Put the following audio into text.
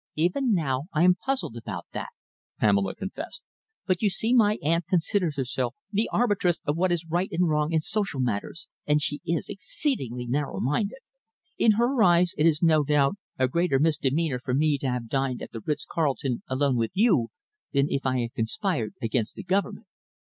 "Even now I am puzzled about that," Pamela confessed, "but you see my aunt considers herself the arbitress of what is right or wrong in social matters, and she is exceedingly narrow minded. In her eyes it is no doubt a greater misdemeanour for me to have dined at the Ritz Carlton alone with you, than if I had conspired against the Government."